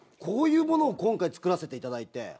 こういうものを今回作らせていただいて。